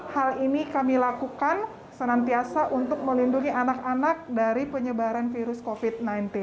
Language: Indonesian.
hal ini kami lakukan senantiasa untuk melindungi anak anak dari penyebaran virus covid sembilan belas